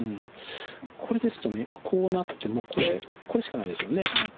これですとこうなってもこれこれしかないですよね。